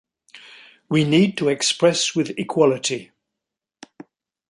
We need to express with equality.